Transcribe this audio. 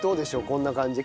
こんな感じ。